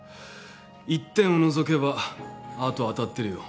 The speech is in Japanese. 一点を除けばあとは当たってるよ。